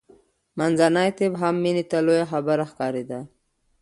منځنی طب هم مینې ته لویه خبره ښکارېده